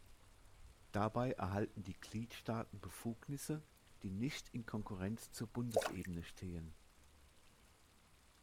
Dabei erhalten die Gliedstaaten Befugnisse, die nicht in Konkurrenz zur Bundesebene stehen.